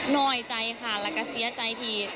น้อยใจค่ะแล้วก็เสียใจที